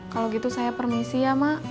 kalau gitu saya permisi ya mak